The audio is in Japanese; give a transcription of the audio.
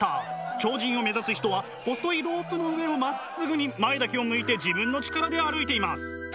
超人を目指す人は細いロープの上をまっすぐに前だけを向いて自分の力で歩いています。